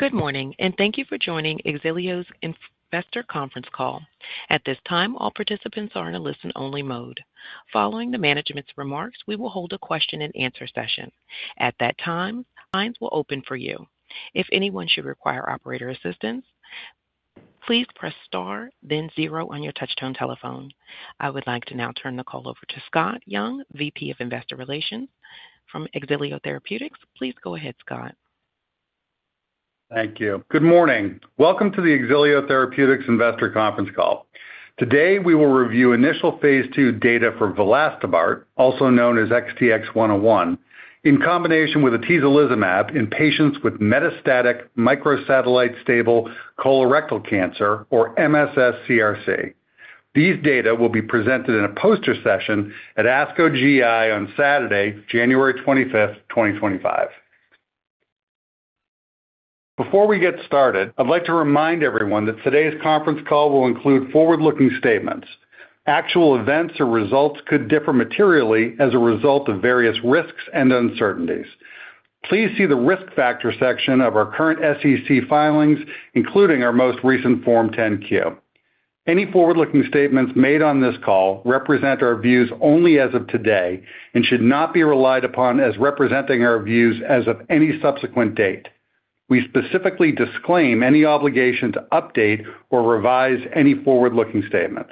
Good morning, and thank you for joining Xilio's Investor Conference call. At this time, all participants are in a listen-only mode. Following the management's remarks, we will hold a question-and-answer session. At that time, lines will open for you. If anyone should require operator assistance, please press star, then zero on your touch-tone telephone. I would like to now turn the call over to Scott Young, VP of Investor Relations from Xilio Therapeutics. Please go ahead, Scott. Thank you. Good morning. Welcome to the Xilio Therapeutics Investor Conference call. Today, we will review initial phase 2 data for vilastobart, also known as XTX-101, in combination with atezolizumab in patients with metastatic microsatellite stable colorectal cancer, or MSS-CRC. These data will be presented in a poster session at ASCO GI on Saturday, January 25th, 2025. Before we get started, I'd like to remind everyone that today's conference call will include forward-looking statements. Actual events or results could differ materially as a result of various risks and uncertainties. Please see the risk factor section of our current SEC filings, including our most recent Form 10-Q. Any forward-looking statements made on this call represent our views only as of today and should not be relied upon as representing our views as of any subsequent date. We specifically disclaim any obligation to update or revise any forward-looking statements.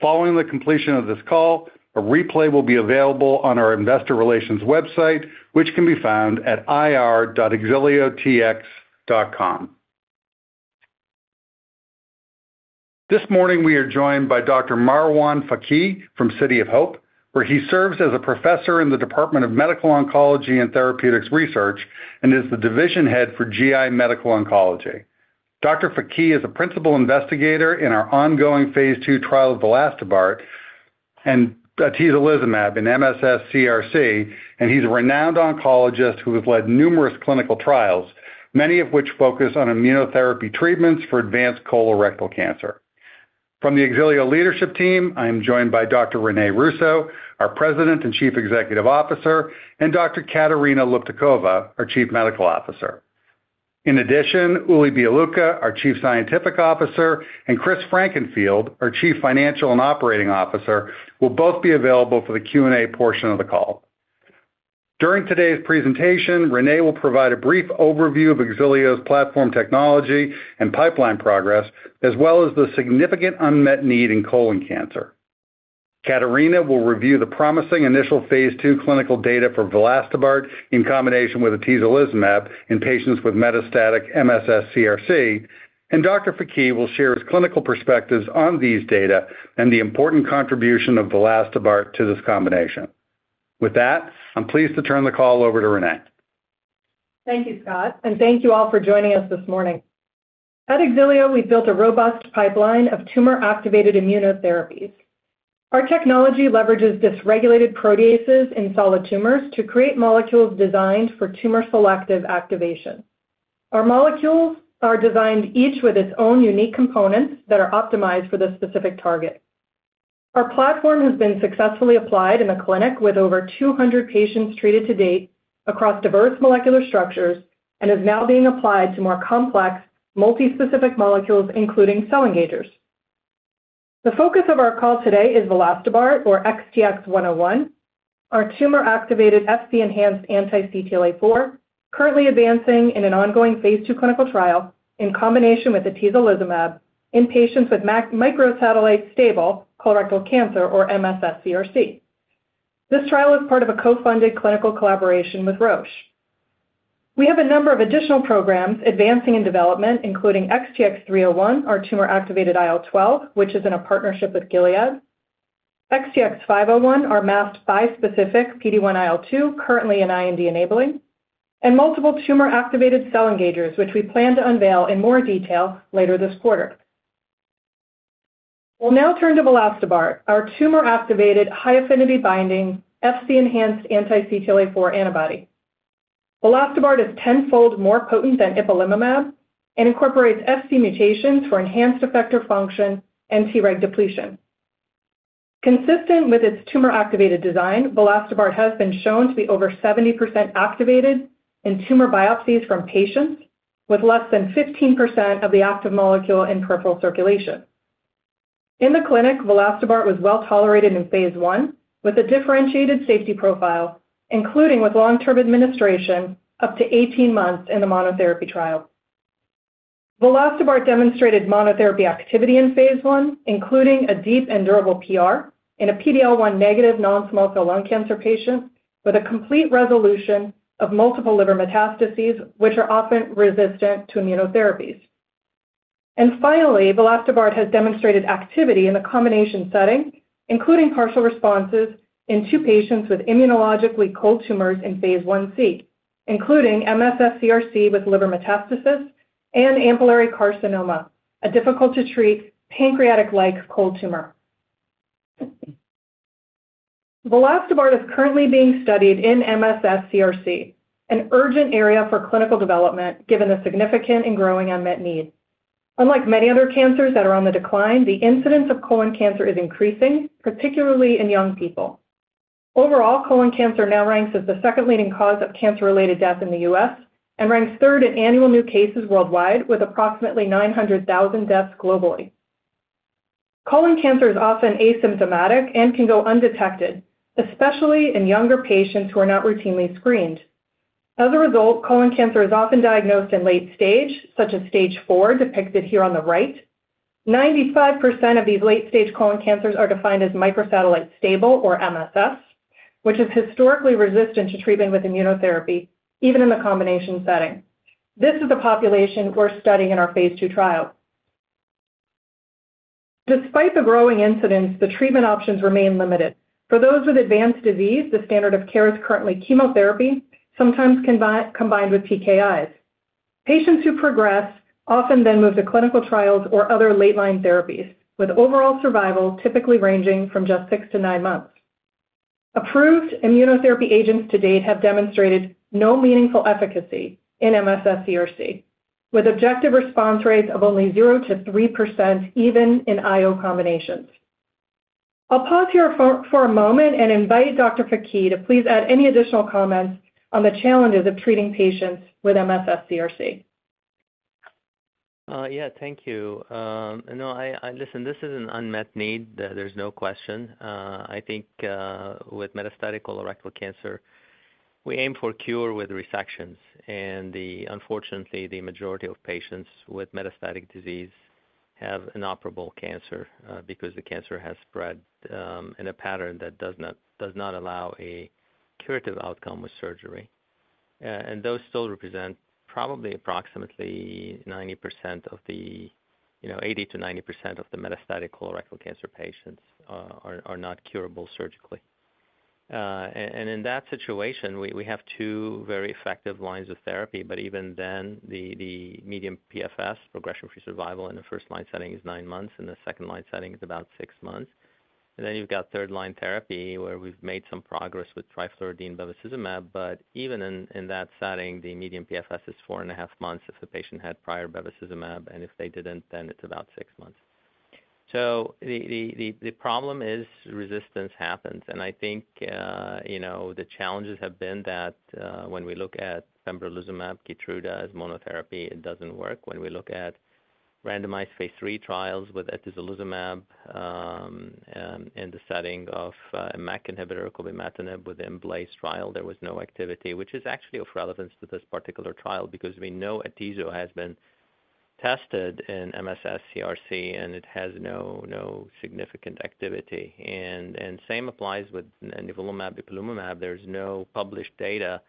Following the completion of this call, a replay will be available on our Investor Relations website, which can be found at ir.xilio-tx.com. This morning, we are joined by Dr. Marwan Faqih from City of Hope, where he serves as a professor in the Department of Medical Oncology and Therapeutics Research and is the division head for GI Medical Oncology. Dr. Faqih is a principal investigator in our ongoing phase 2 trial of vilastobart and atezolizumab in MSS-CRC, and he's a renowned oncologist who has led numerous clinical trials, many of which focus on immunotherapy treatments for advanced colorectal cancer. From the Xilio leadership team, I am joined by Dr. René Russo, our President and Chief Executive Officer, and Dr. Katarina Luptakova, our Chief Medical Officer. In addition, Uli Bialucha, our Chief Scientific Officer, and Chris Frankenfield, our Chief Financial and Operating Officer, will both be available for the Q&A portion of the call. During today's presentation, René will provide a brief overview of Xilio's platform technology and pipeline progress, as well as the significant unmet need in colon cancer. Katarina will review the promising initial phase 2 clinical data for vilastobart in combination with atezolizumab in patients with metastatic MSS-CRC, and Dr. Faqih will share his clinical perspectives on these data and the important contribution of vilastobart to this combination. With that, I'm pleased to turn the call over to René. Thank you, Scott, and thank you all for joining us this morning. At Xilio, we've built a robust pipeline of tumor-activated immunotherapies. Our technology leverages dysregulated proteases in solid tumors to create molecules designed for tumor selective activation. Our molecules are designed each with its own unique components that are optimized for the specific target. Our platform has been successfully applied in a clinic with over 200 patients treated to date across diverse molecular structures and is now being applied to more complex, multi-specific molecules, including cell engagers. The focus of our call today is vilastobart, or XTX-101, our tumor-activated Fc-enhanced anti-CTLA-4, currently advancing in an ongoing phase 2 clinical trial in combination with atezolizumab in patients with microsatellite stable colorectal cancer, or MSS-CRC. This trial is part of a co-funded clinical collaboration with Roche. We have a number of additional programs advancing in development, including XTX-301, our tumor-activated IL-12, which is in a partnership with Gilead, XTX-501, our masked bispecific PD-1/IL-2, currently an IND-enabling, and multiple tumor-activated cell engagers, which we plan to unveil in more detail later this quarter. We'll now turn to vilastobart, our tumor-activated high-affinity binding Fc-enhanced anti-CTLA-4 antibody. vilastobart is tenfold more potent than ipilimumab and incorporates Fc mutations for enhanced effector function and Treg depletion. Consistent with its tumor-activated design, vilastobart has been shown to be over 70% activated in tumor biopsies from patients with less than 15% of the active molecule in peripheral circulation. In the clinic, vilastobart was well tolerated in phase 1 with a differentiated safety profile, including with long-term administration up to 18 months in the monotherapy trial. Vilastobart demonstrated monotherapy activity in phase 1, including a deep and durable PR in a PD-L1 negative non-small cell lung cancer patient with a complete resolution of multiple liver metastases, which are often resistant to immunotherapies, and finally, vilastobart has demonstrated activity in the combination setting, including partial responses in two patients with immunologically cold tumors in phase 1c, including MSS-CRC with liver metastasis and ampullary carcinoma, a difficult-to-treat pancreatic-like cold tumor. Vilastobart is currently being studied in MSS-CRC, an urgent area for clinical development given the significant and growing unmet need. Unlike many other cancers that are on the decline, the incidence of colon cancer is increasing, particularly in young people. Overall, colon cancer now ranks as the second leading cause of cancer-related death in the U.S. and ranks third in annual new cases worldwide, with approximately 900,000 deaths globally. Colon cancer is often asymptomatic and can go undetected, especially in younger patients who are not routinely screened. As a result, colon cancer is often diagnosed in late-stage, such as Stage 4, depicted here on the right. 95% of these late-stage colon cancers are defined as microsatellite stable, or MSS, which is historically resistant to treatment with immunotherapy, even in the combination setting. This is the population we're studying in our phase 2 trial. Despite the growing incidence, the treatment options remain limited. For those with advanced disease, the standard of care is currently chemotherapy, sometimes combined with TKIs. Patients who progress often then move to clinical trials or other late-line therapies, with overall survival typically ranging from just six to nine months. Approved immunotherapy agents to date have demonstrated no meaningful efficacy in MSS-CRC, with objective response rates of only 0-3%, even in IO combinations. I'll pause here for a moment and invite Dr. Faqih to please add any additional comments on the challenges of treating patients with MSS-CRC. Yeah, thank you. No, I listen, this is an unmet need. There's no question. I think with metastatic colorectal cancer, we aim for cure with resections. And unfortunately, the majority of patients with metastatic disease have inoperable cancer because the cancer has spread in a pattern that does not allow a curative outcome with surgery. And those still represent probably approximately 90% of the, you know, 80%-90% of the metastatic colorectal cancer patients are not curable surgically. And in that situation, we have two very effective lines of therapy, but even then, the median PFS, progression-free survival in the first line setting, is nine months. In the second line setting, it's about six months. And then you've got third-line therapy where we've made some progress with trifluridine bevacizumab, but even in that setting, the median PFS is four and a half months if the patient had prior bevacizumab, and if they didn't, then it's about six months. So the problem is resistance happens. And I think, you know, the challenges have been that when we look at pembrolizumab, Keytruda as monotherapy, it doesn't work. When we look at randomized phase 3 trials with atezolizumab in the setting of a MEK inhibitor, cobimetinib, with the IMblaze trial, there was no activity, which is actually of relevance to this particular trial because we know atezolizumab has been tested in MSS-CRC, and it has no significant activity. And same applies with nivolumab, ipilimumab. There's no published data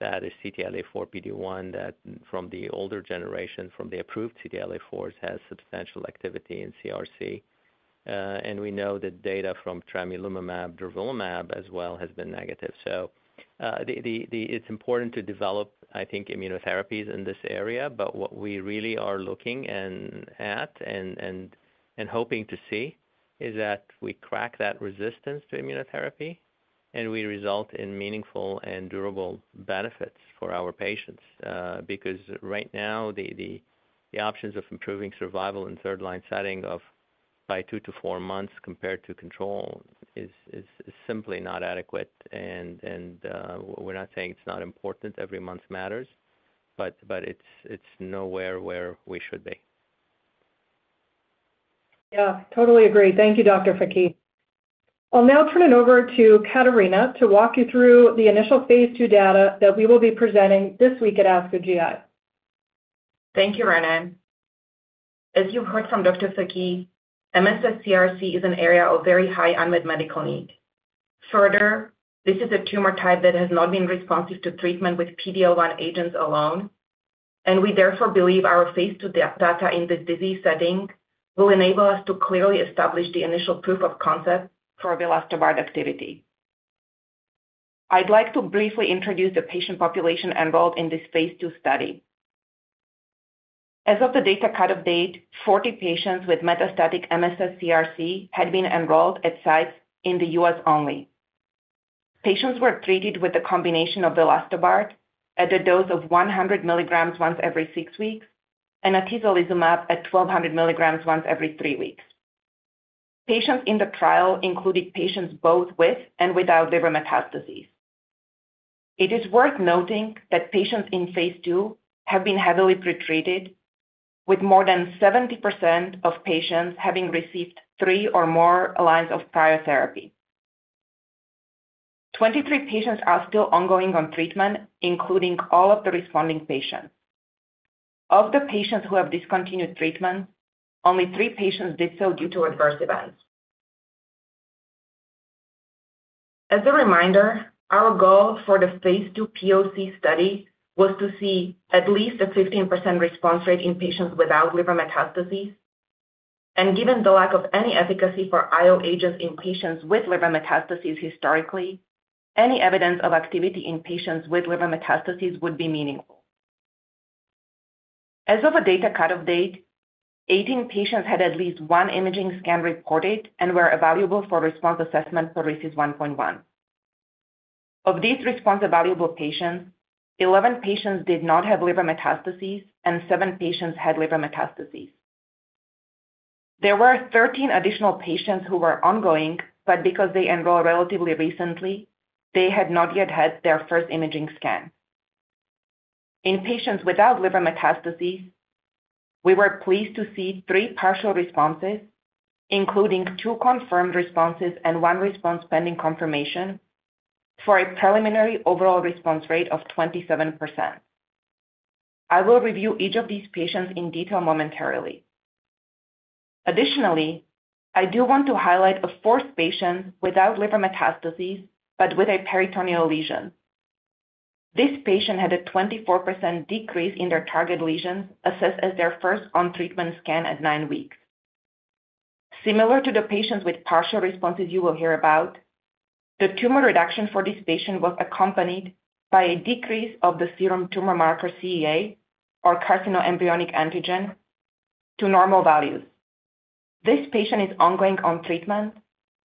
that is CTLA4 PD-1 that from the older generation, from the approved CTLA4s, has substantial activity in CRC. And we know that data from tremelimumab, durvalumab, as well, has been negative. So it's important to develop, I think, immunotherapies in this area, but what we really are looking at and hoping to see is that we crack that resistance to immunotherapy and we result in meaningful and durable benefits for our patients because right now, the options of improving survival in third-line setting of by two to four months compared to control is simply not adequate. And we're not saying it's not important. Every month matters, but it's nowhere where we should be. Yeah, totally agree. Thank you, Dr. Faqih. I'll now turn it over to Katarina to walk you through the initial phase 2 data that we will be presenting this week at ASCO GI. Thank you, René. As you've heard from Dr. Faqih, MSS-CRC is an area of very high unmet medical need. Further, this is a tumor type that has not been responsive to treatment with PD-L1 agents alone, and we therefore believe our phase 2 data in this disease setting will enable us to clearly establish the initial proof of concept for vilastobart activity. I'd like to briefly introduce the patient population enrolled in this phase 2 study. As of the data cutoff date, 40 patients with metastatic MSS-CRC had been enrolled at sites in the U.S. only. Patients were treated with a combination of vilastobart at a dose of 100 milligrams once every six weeks and atezolizumab at 1,200 milligrams once every three weeks. Patients in the trial included patients both with and without liver metastases. It is worth noting that patients in phase 2 have been heavily pretreated, with more than 70% of patients having received three or more lines of chemotherapy. 23 patients are still ongoing on treatment, including all of the responding patients. Of the patients who have discontinued treatment, only three patients did so due to adverse events. As a reminder, our goal for the phase 2 POC study was to see at least a 15% response rate in patients without liver metastases. And given the lack of any efficacy for IO agents in patients with liver metastases historically, any evidence of activity in patients with liver metastases would be meaningful. As of the data cutoff date, 18 patients had at least one imaging scan reported and were evaluable for response assessment for RECIST 1.1. Of these response-evaluable patients, 11 patients did not have liver metastases, and seven patients had liver metastases. There were 13 additional patients who were ongoing, but because they enrolled relatively recently, they had not yet had their first imaging scan. In patients without liver metastases, we were pleased to see three partial responses, including two confirmed responses and one response pending confirmation for a preliminary overall response rate of 27%. I will review each of these patients in detail momentarily. Additionally, I do want to highlight a fourth patient without liver metastases but with a peritoneal lesion. This patient had a 24% decrease in their target lesions assessed as their first on-treatment scan at nine weeks. Similar to the patients with partial responses you will hear about, the tumor reduction for this patient was accompanied by a decrease of the serum tumor marker CEA, or carcinoembryonic antigen, to normal values. This patient is ongoing on treatment,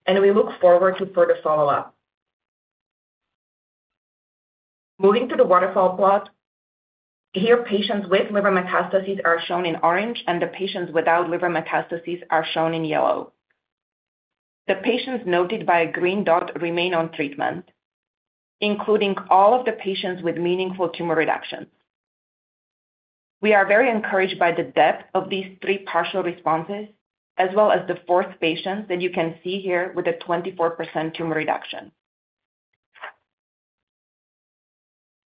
and we look forward to further follow-up. Moving to the waterfall plot, here, patients with liver metastases are shown in orange, and the patients without liver metastases are shown in yellow. The patients noted by a green dot remain on treatment, including all of the patients with meaningful tumor reductions. We are very encouraged by the depth of these three partial responses, as well as the fourth patient that you can see here with a 24% tumor reduction.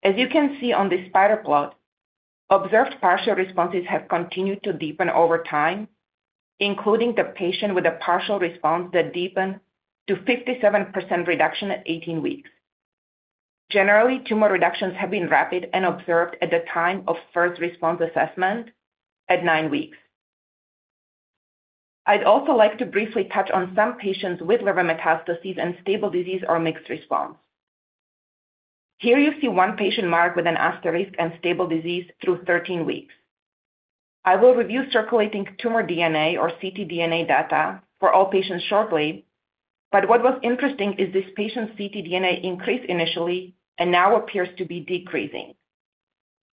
As you can see on the spider plot, observed partial responses have continued to deepen over time, including the patient with a partial response that deepened to 57% reduction at 18 weeks. Generally, tumor reductions have been rapid and observed at the time of first response assessment at nine weeks. I'd also like to briefly touch on some patients with liver metastases and stable disease or mixed response. Here you see one patient marked with an asterisk and stable disease through 13 weeks. I will review circulating tumor DNA, or ctDNA data, for all patients shortly, but what was interesting is this patient's ctDNA increased initially and now appears to be decreasing.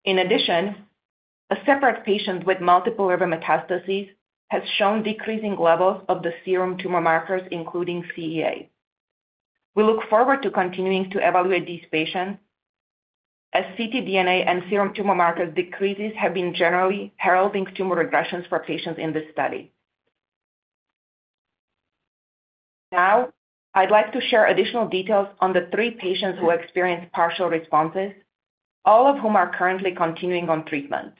In addition, a separate patient with multiple liver metastases has shown decreasing levels of the serum tumor markers, including CEA. We look forward to continuing to evaluate these patients as ctDNA and serum tumor markers' decreases have been generally heralding tumor regressions for patients in this study. Now, I'd like to share additional details on the three patients who experienced partial responses, all of whom are currently continuing on treatment.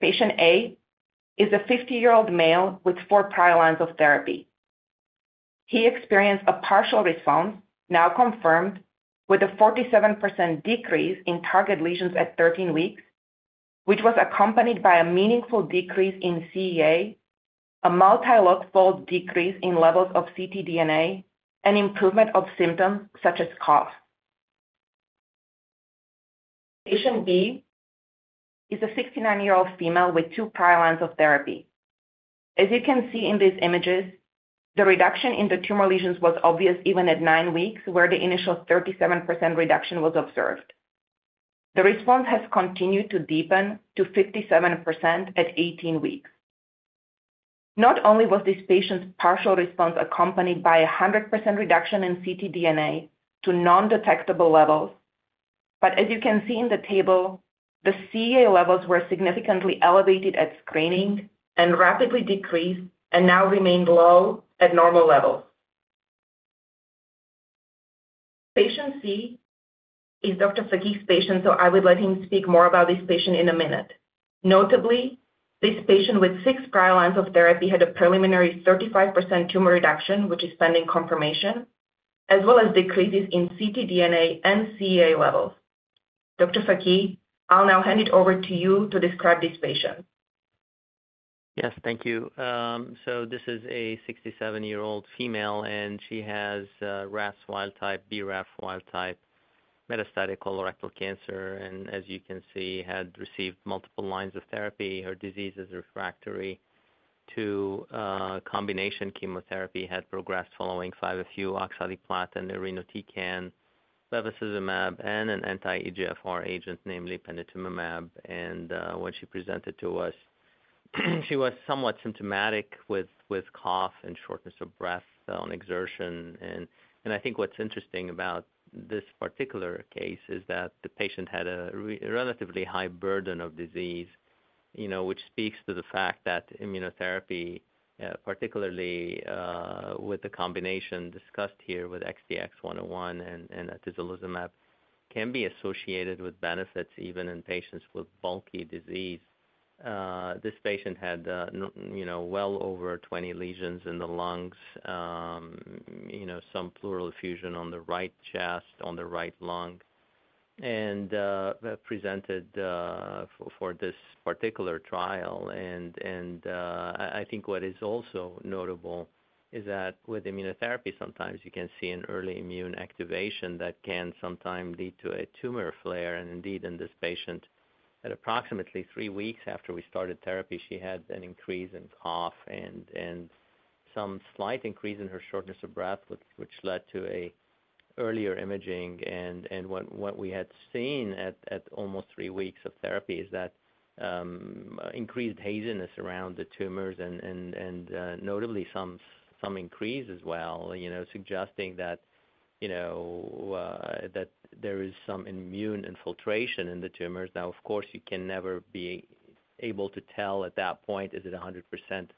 Patient A is a 50-year-old male with four prior lines of therapy. He experienced a partial response, now confirmed, with a 47% decrease in target lesions at 13 weeks, which was accompanied by a meaningful decrease in CEA, a multi-log fold decrease in levels of ctDNA, and improvement of symptoms such as cough. Patient B is a 69-year-old female with two prior lines of therapy. As you can see in these images, the reduction in the tumor lesions was obvious even at nine weeks, where the initial 37% reduction was observed. The response has continued to deepen to 57% at 18 weeks. Not only was this patient's partial response accompanied by a 100% reduction in ctDNA to non-detectable levels, but as you can see in the table, the CEA levels were significantly elevated at screening and rapidly decreased and now remain low at normal levels. Patient C is Dr. Faqih's patient, so I would let him speak more about this patient in a minute. Notably, this patient with six prior lines of therapy had a preliminary 35% tumor reduction, which is pending confirmation, as well as decreases in ctDNA and CEA levels. Dr. Faqih, I'll now hand it over to you to describe this patient. Yes, thank you. This is a 67-year-old female, and she has RAS wild type, BRAF wild type metastatic colorectal cancer, and as you can see, had received multiple lines of therapy. Her disease is refractory to combination chemotherapy, had progressed following 5-FU, oxaliplatin, irinotecan, bevacizumab, and an anti-EGFR agent, namely panitumumab. When she presented to us, she was somewhat symptomatic with cough and shortness of breath on exertion. I think what's interesting about this particular case is that the patient had a relatively high burden of disease, you know, which speaks to the fact that immunotherapy, particularly with the combination discussed here with XTX-101 and atezolizumab, can be associated with benefits even in patients with bulky disease. This patient had, you know, well over 20 lesions in the lungs, you know, some pleural effusion on the right chest, on the right lung, and presented for this particular trial. And I think what is also notable is that with immunotherapy, sometimes you can see an early immune activation that can sometimes lead to a tumor flare. And indeed, in this patient, at approximately three weeks after we started therapy, she had an increase in cough and some slight increase in her shortness of breath, which led to earlier imaging. And what we had seen at almost three weeks of therapy is that increased haziness around the tumors and notably some increase as well, you know, suggesting that, you know, that there is some immune infiltration in the tumors. Now, of course, you can never be able to tell at that point, is it 100%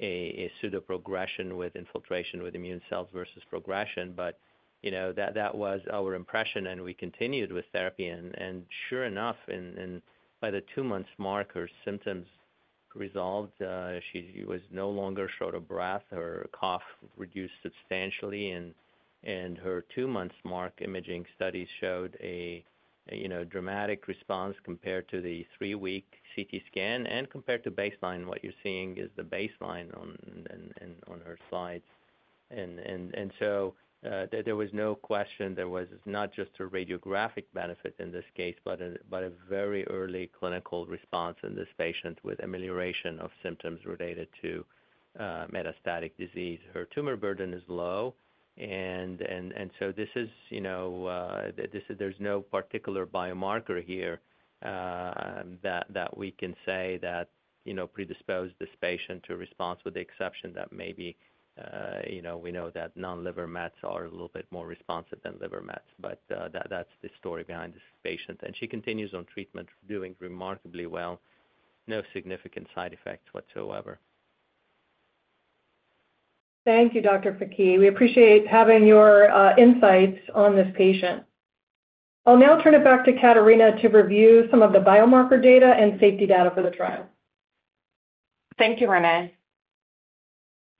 a pseudoprogression with infiltration with immune cells versus progression, but, you know, that was our impression, and we continued with therapy, and sure enough, by the two-month marker, symptoms resolved. She was no longer short of breath. Her cough reduced substantially, and her two-month mark imaging studies showed a, you know, dramatic response compared to the three-week CT scan and compared to baseline. What you're seeing is the baseline on her slides, and so there was no question there was not just a radiographic benefit in this case, but a very early clinical response in this patient with amelioration of symptoms related to metastatic disease. Her tumor burden is low, and so this is, you know, there's no particular biomarker here that we can say that, you know, predisposed this patient to response, with the exception that maybe, you know, we know that non-liver mets are a little bit more responsive than liver mets, but that's the story behind this patient. And she continues on treatment, doing remarkably well, no significant side effects whatsoever. Thank you, Dr. Faqih. We appreciate having your insights on this patient. I'll now turn it back to Katarina to review some of the biomarker data and safety data for the trial. Thank you, René.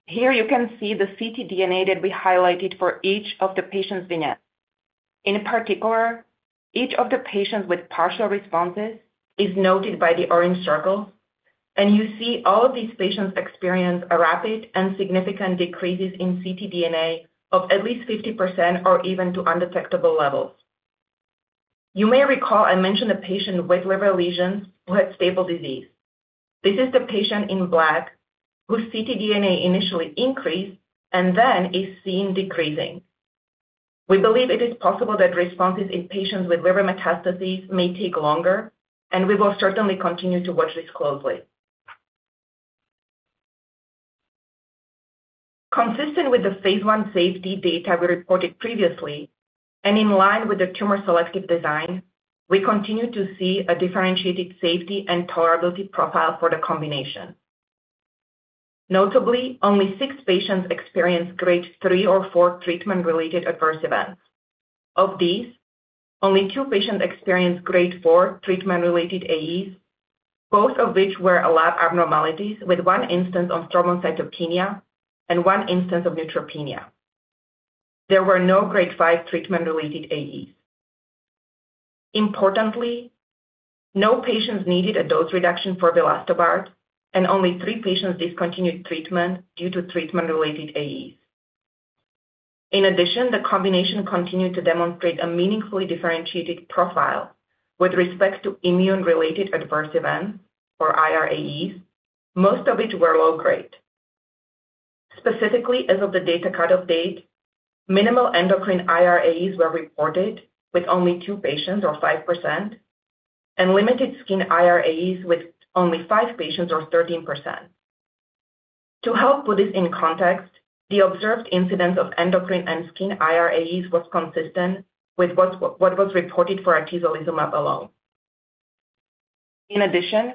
Here you can see the ctDNA that we highlighted for each of the patients' vignettes. In particular, each of the patients with partial responses is noted by the orange circle, and you see all of these patients experience a rapid and significant decreases in ctDNA of at least 50% or even to undetectable levels. You may recall I mentioned a patient with liver lesions who had stable disease. This is the patient in black whose ctDNA initially increased and then is seen decreasing. We believe it is possible that responses in patients with liver metastases may take longer, and we will certainly continue to watch this closely. Consistent with the phase 1 safety data we reported previously, and in line with the tumor selective design, we continue to see a differentiated safety and tolerability profile for the combination. Notably, only six patients experienced grade three or four treatment-related adverse events. Of these, only two patients experienced grade four treatment-related AEs, both of which were lab abnormalities, with one instance of thrombocytopenia and one instance of neutropenia. There were no grade five treatment-related AEs. Importantly, no patients needed a dose reduction for vilastobart, and only three patients discontinued treatment due to treatment-related AEs. In addition, the combination continued to demonstrate a meaningfully differentiated profile with respect to immune-related adverse events, or IRAEs, most of which were low-grade. Specifically, as of the data cutoff date, minimal endocrine IRAEs were reported with only two patients, or 5%, and limited skin IRAEs with only five patients, or 13%. To help put this in context, the observed incidence of endocrine and skin IRAEs was consistent with what was reported for atezolizumab alone. In addition,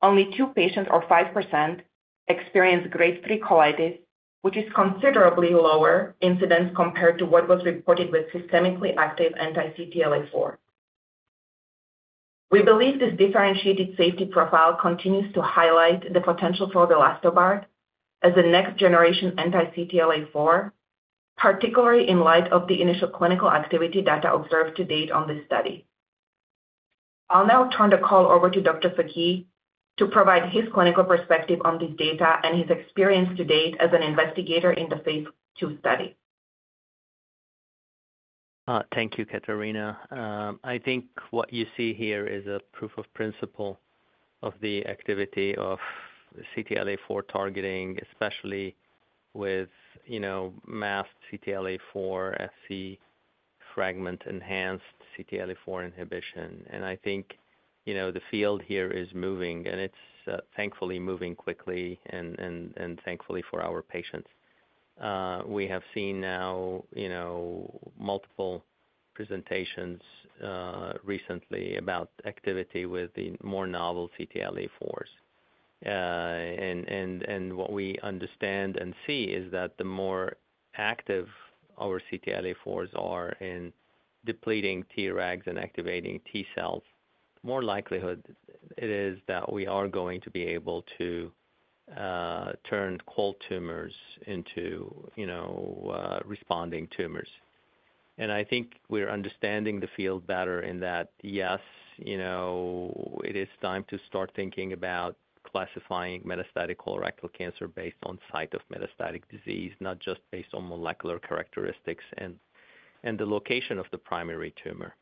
only two patients, or 5%, experienced grade three colitis, which is considerably lower incidence compared to what was reported with systemically active anti-CTLA-4. We believe this differentiated safety profile continues to highlight the potential for vilastobart as a next-generation anti-CTLA-4, particularly in light of the initial clinical activity data observed to date on this study. I'll now turn the call over to Dr. Faqih to provide his clinical perspective on these data and his experience to date as an investigator in the phase 2 study. Thank you, Katarina. I think what you see here is a proof of principle of the activity of CTLA-4 targeting, especially with, you know, masked CTLA-4, Fc fragment-enhanced CTLA-4 inhibition, and I think, you know, the field here is moving, and it's thankfully moving quickly, and thankfully for our patients. We have seen now, you know, multiple presentations recently about activity with the more novel CTLA-4s. And what we understand and see is that the more active our CTLA-4s are in depleting Tregs and activating T cells, the more likelihood it is that we are going to be able to turn cold tumors into, you know, responding tumors. I think we're understanding the field better in that, yes, you know, it is time to start thinking about classifying metastatic colorectal cancer based on site of metastatic disease, not just based on molecular characteristics and the location of the primary tumor.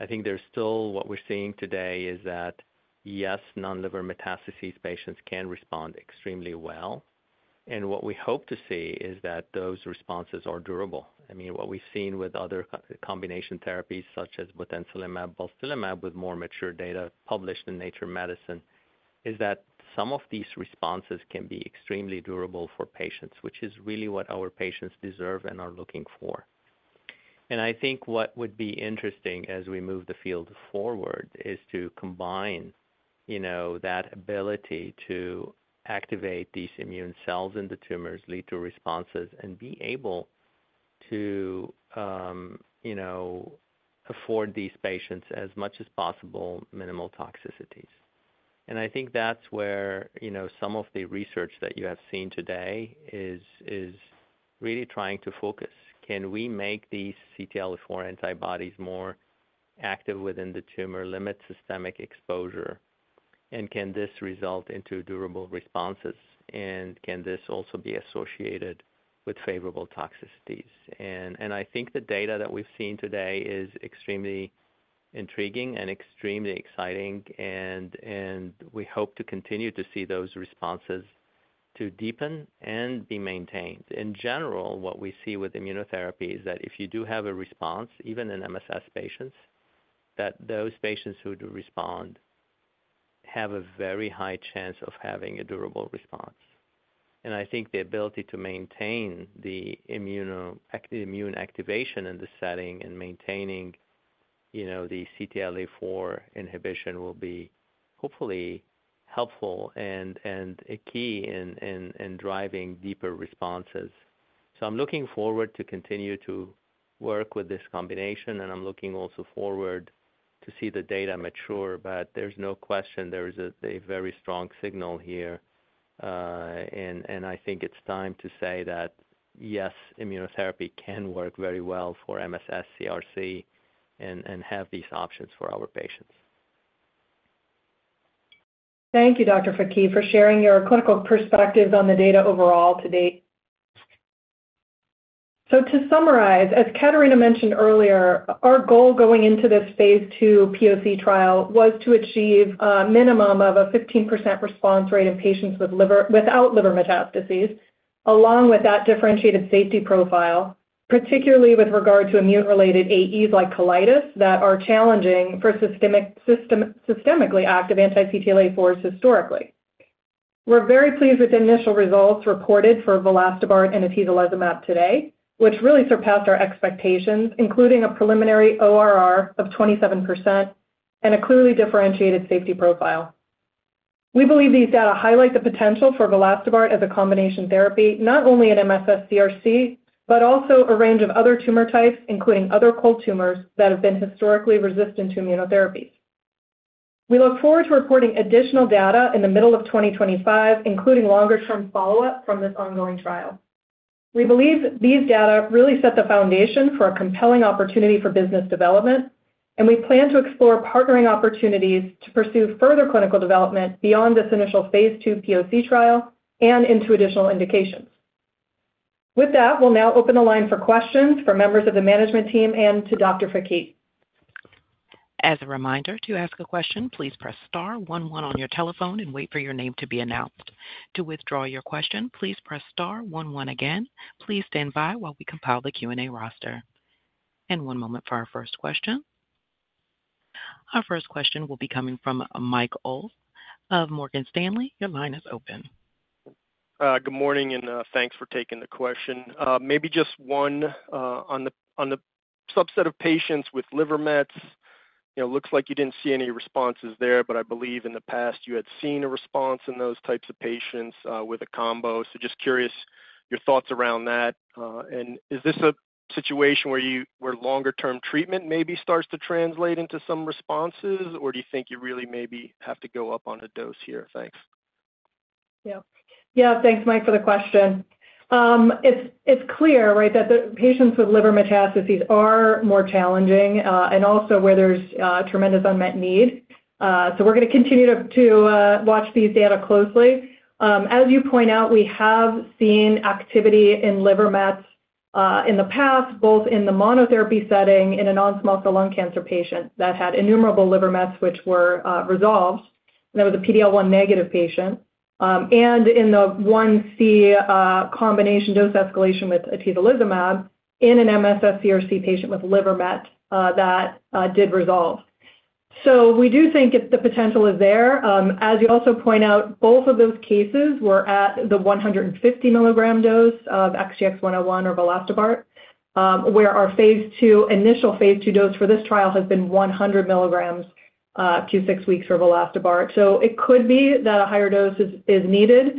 I think there's still what we're seeing today is that, yes, non-liver metastases patients can respond extremely well, and what we hope to see is that those responses are durable. I mean, what we've seen with other combination therapies, such as botensolimab, balstilimab, with more mature data published in Nature Medicine, is that some of these responses can be extremely durable for patients, which is really what our patients deserve and are looking for. I think what would be interesting as we move the field forward is to combine, you know, that ability to activate these immune cells in the tumors, lead to responses, and be able to, you know, afford these patients as much as possible minimal toxicities. I think that's where, you know, some of the research that you have seen today is really trying to focus. Can we make these CTLA-4 antibodies more active within the tumor, limit systemic exposure, and can this result in durable responses, and can this also be associated with favorable toxicities? I think the data that we've seen today is extremely intriguing and extremely exciting, and we hope to continue to see those responses deepen and be maintained. In general, what we see with immunotherapy is that if you do have a response, even in MSS patients, that those patients who do respond have a very high chance of having a durable response. And I think the ability to maintain the immune activation in this setting and maintaining, you know, the CTLA-4 inhibition will be hopefully helpful and a key in driving deeper responses. So I'm looking forward to continue to work with this combination, and I'm looking also forward to see the data mature, but there's no question there is a very strong signal here, and I think it's time to say that, yes, immunotherapy can work very well for MSS, CRC, and have these options for our patients. Thank you, Dr. Faqih, for sharing your clinical perspectives on the data overall to date, so to summarize, as Katarina mentioned earlier, our goal going into this phase 2 POC trial was to achieve a minimum of a 15% response rate in patients without liver metastases, along with that differentiated safety profile, particularly with regard to immune-related AEs like colitis that are challenging for systemically active anti-CTLA-4s historically. We're very pleased with the initial results reported for vilastobart and atezolizumab today, which really surpassed our expectations, including a preliminary ORR of 27% and a clearly differentiated safety profile. We believe these data highlight the potential for vilastobart as a combination therapy, not only in MSS, CRC, but also a range of other tumor types, including other cold tumors that have been historically resistant to immunotherapies. We look forward to reporting additional data in the middle of 2025, including longer-term follow-up from this ongoing trial. We believe these data really set the foundation for a compelling opportunity for business development, and we plan to explore partnering opportunities to pursue further clinical development beyond this initial Phase 2 POC trial and into additional indications. With that, we'll now open the line for questions for members of the management team and to Dr. Faqih. As a reminder, to ask a question, please press star 11 on your telephone and wait for your name to be announced. To withdraw your question, please press star 11 again. Please stand by while we compile the Q&A roster. And one moment for our first question. Our first question will be coming from Michael Ulz of Morgan Stanley. Your line is open. Good morning, and thanks for taking the question. Maybe just one on the subset of patients with liver mets. You know, it looks like you didn't see any responses there, but I believe in the past you had seen a response in those types of patients with a combo. So just curious your thoughts around that, and is this a situation where longer-term treatment maybe starts to translate into some responses, or do you think you really maybe have to go up on a dose here? Thanks. Yeah. Yeah, thanks, Mike, for the question. It's clear, right, that the patients with liver metastases are more challenging and also where there's tremendous unmet need. So we're going to continue to watch these data closely. As you point out, we have seen activity in liver mets in the past, both in the monotherapy setting in a non-small cell lung cancer patient that had innumerable liver mets, which were resolved. There was a PD-L1 negative patient, and in the 1c combination dose escalation with atezolizumab in an MSS, CRC patient with liver met that did resolve. So we do think the potential is there. As you also point out, both of those cases were at the 150 milligram dose of XTX-101 or vilastobart, where our phase 2 initial phase 2 dose for this trial has been 100 milligrams q6 weeks for vilastobart. It could be that a higher dose is needed.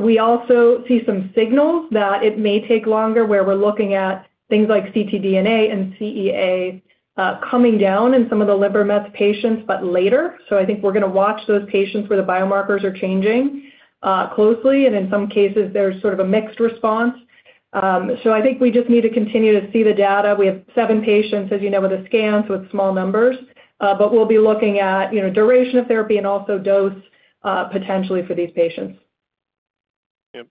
We also see some signals that it may take longer, where we're looking at things like ctDNA and CEA coming down in some of the liver met patients, but later. I think we're going to watch those patients where the biomarkers are changing closely, and in some cases, there's sort of a mixed response. I think we just need to continue to see the data. We have seven patients, as you know, with a scan, so it's small numbers, but we'll be looking at, you know, duration of therapy and also dose potentially for these patients. Yeah,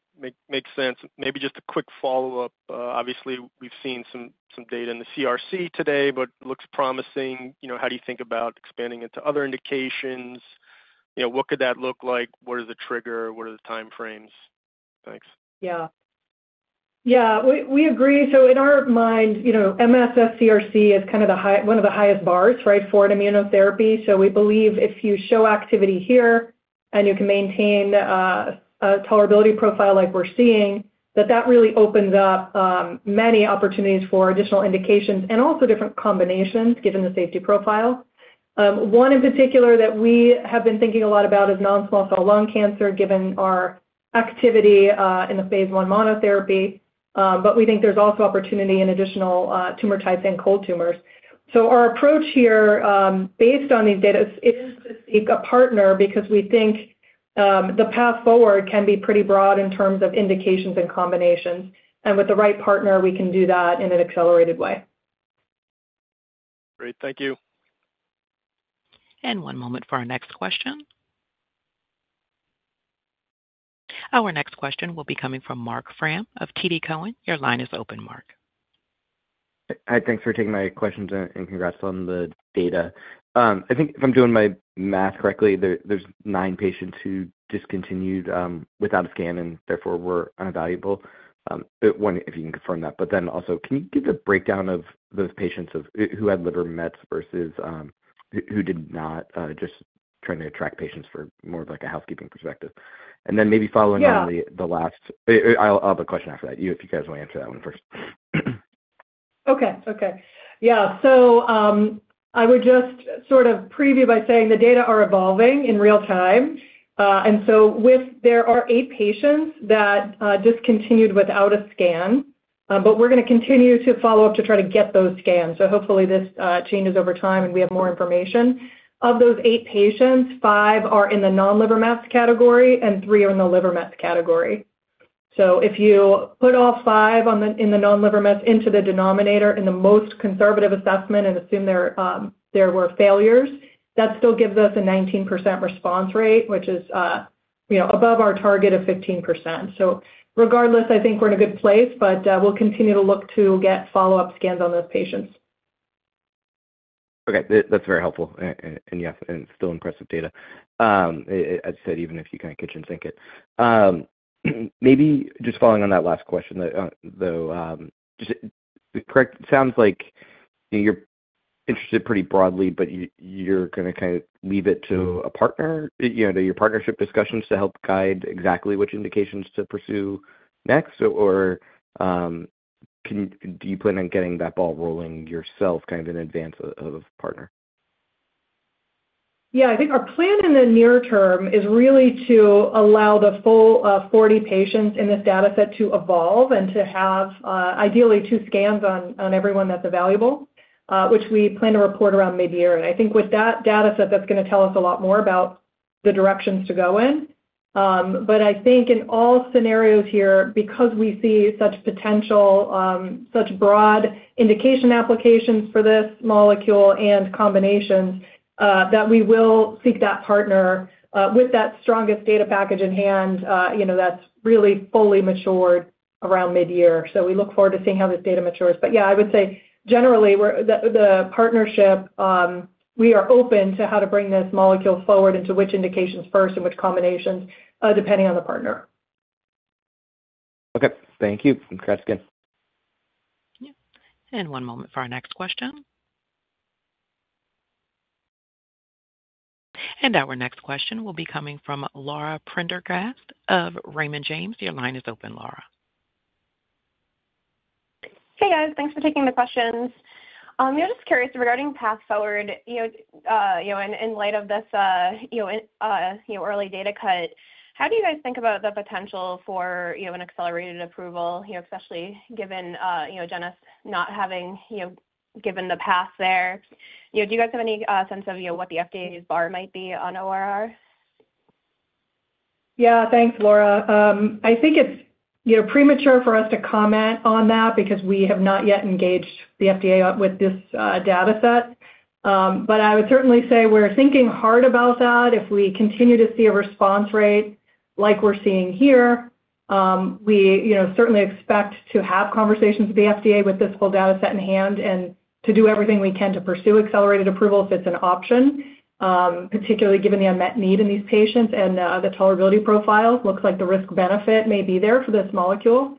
makes sense. Maybe just a quick follow-up. Obviously, we've seen some data in the CRC today, but it looks promising. You know, how do you think about expanding into other indications? You know, what could that look like? What is the trigger? What are the timeframes? Thanks. Yeah. Yeah, we agree. So in our mind, you know, MSS, CRC is kind of one of the highest bars, right, for immunotherapy. So we believe if you show activity here and you can maintain a tolerability profile like we're seeing, that that really opens up many opportunities for additional indications and also different combinations given the safety profile. One in particular that we have been thinking a lot about is non-small cell lung cancer, given our activity in the phase 1 monotherapy, but we think there's also opportunity in additional tumor types and cold tumors. So our approach here, based on these data, is to seek a partner because we think the path forward can be pretty broad in terms of indications and combinations, and with the right partner, we can do that in an accelerated way. Great. Thank you. One moment for our next question. Our next question will be coming from Mark Frahm of TD Cowen. Your line is open, Mark. Hi, thanks for taking my questions and congrats on the data. I think if I'm doing my math correctly, there's nine patients who discontinued without a scan and therefore were unavailable. One, if you can confirm that, but then also, can you give the breakdown of those patients who had liver mets versus who did not, just trying to track patients for more of like a housekeeping perspective? And then maybe following on the last, I'll have a question after that. You, if you guys want to answer that one first. Okay. Okay. Yeah. So I would just sort of preview by saying the data are evolving in real time. And so there are eight patients that discontinued without a scan, but we're going to continue to follow up to try to get those scans. So hopefully this changes over time and we have more information. Of those eight patients, five are in the non-liver mets category and three are in the liver mets category. So if you put all five in the non-liver mets into the denominator in the most conservative assessment and assume there were failures, that still gives us a 19% response rate, which is, you know, above our target of 15%. So regardless, I think we're in a good place, but we'll continue to look to get follow-up scans on those patients. Okay. That's very helpful. And yes, and it's still impressive data. As I said, even if you kind of kitchen sink it. Maybe just following on that last question, though, just correct, it sounds like you're interested pretty broadly, but you're going to kind of leave it to a partner, you know, to your partnership discussions to help guide exactly which indications to pursue next, or do you plan on getting that ball rolling yourself kind of in advance of a partner? Yeah, I think our plan in the near term is really to allow the full 40 patients in this dataset to evolve and to have ideally two scans on everyone that's available, which we plan to report around mid-year. And I think with that dataset, that's going to tell us a lot more about the directions to go in. But I think in all scenarios here, because we see such potential, such broad indication applications for this molecule and combinations, that we will seek that partner with that strongest data package in hand, you know, that's really fully matured around mid-year. So we look forward to seeing how this data matures. But yeah, I would say generally the partnership, we are open to how to bring this molecule forward into which indications first and which combinations, depending on the partner. Okay. Thank you. Congrats again. Yeah. And one moment for our next question. And our next question will be coming from Laura Prendergast of Raymond James. Your line is open, Laura. Hey, guys. Thanks for taking the questions. You know, just curious regarding path forward, you know, in light of this early data cut, how do you guys think about the potential for an accelerated approval, you know, especially given Genentech not having given the path there? You know, do you guys have any sense of what the FDA's bar might be on ORR? Yeah, thanks, Laura. I think it's, you know, premature for us to comment on that because we have not yet engaged the FDA with this dataset. But I would certainly say we're thinking hard about that. If we continue to see a response rate like we're seeing here, we, you know, certainly expect to have conversations with the FDA with this full dataset in hand and to do everything we can to pursue accelerated approval if it's an option, particularly given the unmet need in these patients and the tolerability profile. Looks like the risk-benefit may be there for this molecule.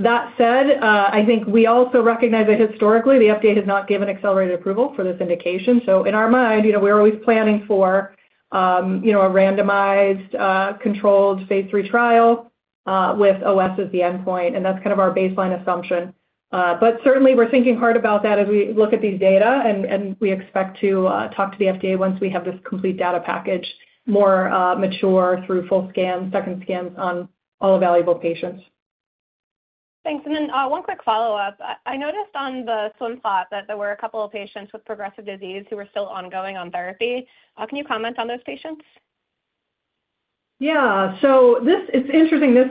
That said, I think we also recognize that historically the FDA has not given accelerated approval for this indication. So in our mind, you know, we're always planning for, you know, a randomized controlled phase 3 trial with OS as the endpoint, and that's kind of our baseline assumption. But certainly we're thinking hard about that as we look at these data, and we expect to talk to the FDA once we have this complete data package more mature through full scans, second scans on all available patients. Thanks. And then one quick follow-up. I noticed on the swim plot that there were a couple of patients with progressive disease who were still ongoing on therapy. Can you comment on those patients? Yeah, so this, it's interesting. This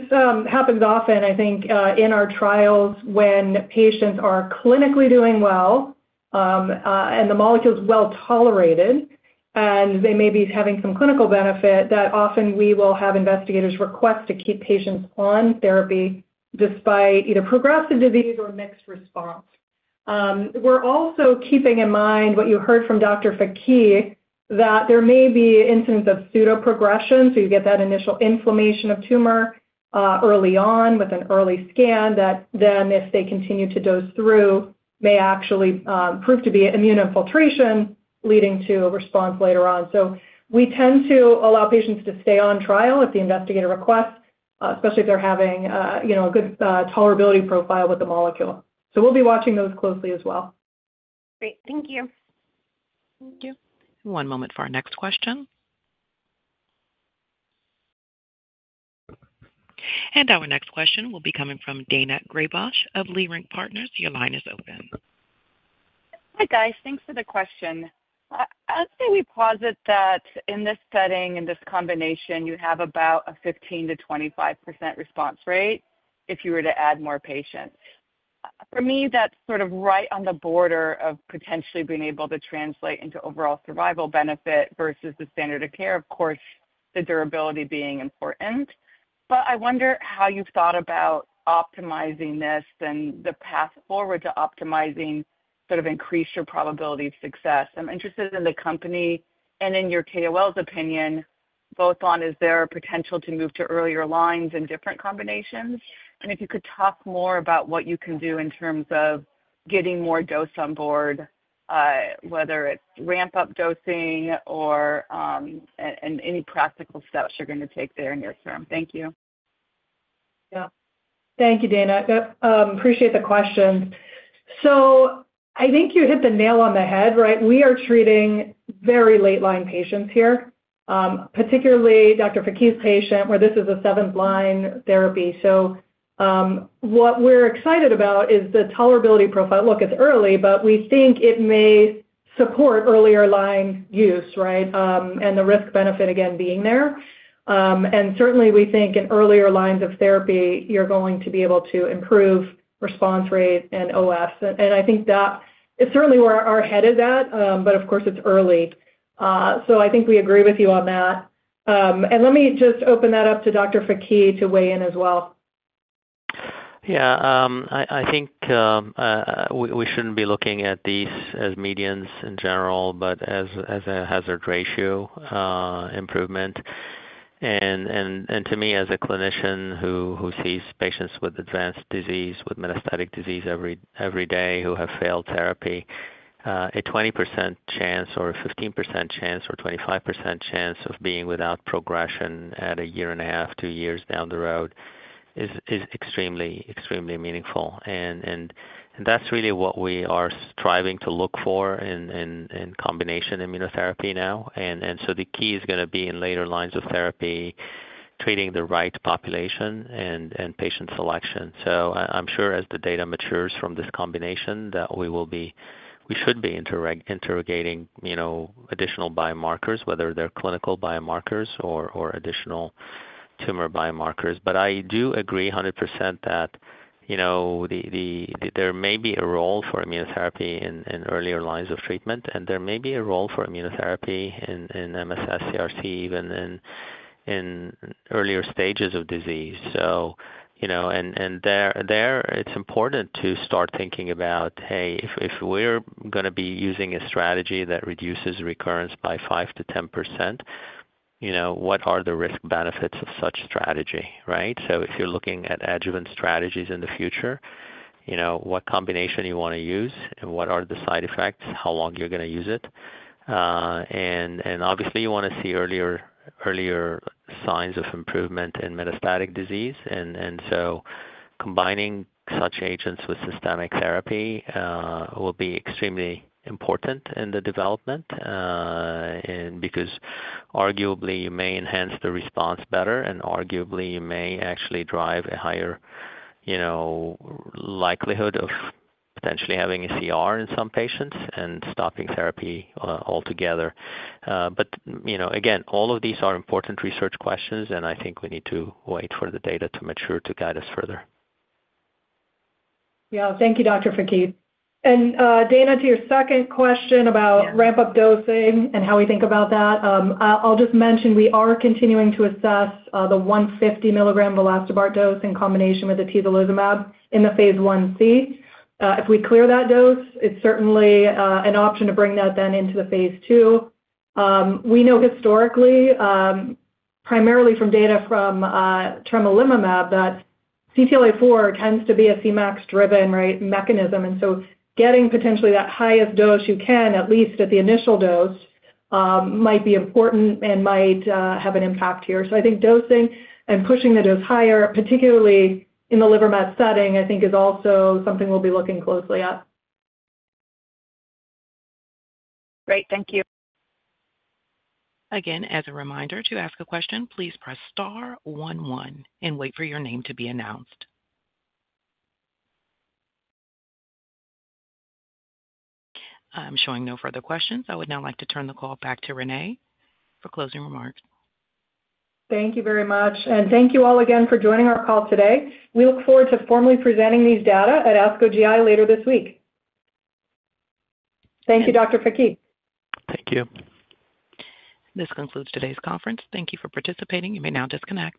happens often, I think, in our trials when patients are clinically doing well and the molecule's well tolerated and they may be having some clinical benefit that often we will have investigators request to keep patients on therapy despite either progressive disease or mixed response. We're also keeping in mind what you heard from Dr. Faqih, that there may be incidents of pseudo progression, so you get that initial inflammation of tumor early on with an early scan that then, if they continue to dose through, may actually prove to be immune infiltration leading to a response later on, so we tend to allow patients to stay on trial at the investigator request, especially if they're having, you know, a good tolerability profile with the molecule, so we'll be watching those closely as well. Great. Thank you. Thank you. One moment for our next question. And our next question will be coming from Daina Graybosch of Leerink Partners. Your line is open. Hi, guys. Thanks for the question. I'd say we posit that in this setting, in this combination, you have about a 15%-25% response rate if you were to add more patients. For me, that's sort of right on the border of potentially being able to translate into overall survival benefit versus the standard of care, of course, the durability being important. But I wonder how you've thought about optimizing this and the path forward to optimizing sort of increase your probability of success. I'm interested in the company and in your KOL's opinion both on is there a potential to move to earlier lines and different combinations? And if you could talk more about what you can do in terms of getting more dose on board, whether it's ramp up dosing or any practical steps you're going to take there in your term. Thank you. Yeah. Thank you, Daina. Appreciate the questions. So I think you hit the nail on the head, right? We are treating very late-line patients here, particularly Dr. Faqih's patient where this is a seventh-line therapy. So what we're excited about is the tolerability profile. Look, it's early, but we think it may support earlier line use, right, and the risk-benefit again being there. And certainly we think in earlier lines of therapy, you're going to be able to improve response rate and OS. And I think that is certainly where our head is at, but of course it's early. So I think we agree with you on that. And let me just open that up to Dr. Faqih to weigh in as well. Yeah. I think we shouldn't be looking at these as medians in general, but as a hazard ratio improvement. And to me, as a clinician who sees patients with advanced disease, with metastatic disease every day, who have failed therapy, a 20% chance or a 15% chance or 25% chance of being without progression at a year and a half, two years down the road is extremely, extremely meaningful. And that's really what we are striving to look for in combination immunotherapy now. And so the key is going to be in later lines of therapy, treating the right population and patient selection. So I'm sure as the data matures from this combination that we will be, we should be interrogating, you know, additional biomarkers, whether they're clinical biomarkers or additional tumor biomarkers. But I do agree 100% that, you know, there may be a role for immunotherapy in earlier lines of treatment, and there may be a role for immunotherapy in MSS, CRC, even in earlier stages of disease. So, you know, and there it's important to start thinking about, hey, if we're going to be using a strategy that reduces recurrence by 5%-10%, you know, what are the risk-benefits of such strategy, right? So if you're looking at adjuvant strategies in the future, you know, what combination you want to use and what are the side effects, how long you're going to use it. And obviously you want to see earlier signs of improvement in metastatic disease. Combining such agents with systemic therapy will be extremely important in the development because arguably you may enhance the response better and arguably you may actually drive a higher, you know, likelihood of potentially having a CR in some patients and stopping therapy altogether. But, you know, again, all of these are important research questions, and I think we need to wait for the data to mature to guide us further. Yeah. Thank you, Dr. Faqih. And Daina, to your second question about ramp up dosing and how we think about that, I'll just mention we are continuing to assess the 150 milligram vilastobart dose in combination with the atezolizumab in the phase 1c. If we clear that dose, it's certainly an option to bring that then into the phase 2. We know historically, primarily from data from tremelimumab, that CTLA-4 tends to be a CMAX-driven, right, mechanism. And so getting potentially that highest dose you can, at least at the initial dose, might be important and might have an impact here. So I think dosing and pushing the dose higher, particularly in the liver met setting, I think is also something we'll be looking closely at. Great. Thank you. Again, as a reminder to ask a question, please press star 11 and wait for your name to be announced. I'm showing no further questions. I would now like to turn the call back to René for closing remarks. Thank you very much, and thank you all again for joining our call today. We look forward to formally presenting these data at ASCO GI later this week. Thank you, Dr. Faqih. Thank you. This concludes today's conference. Thank you for participating. You may now disconnect.